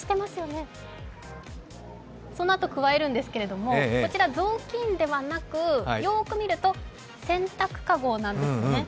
そのあと、くわえるんですけれどもこちら雑巾ではなく、よーく見ると洗濯籠なんですね。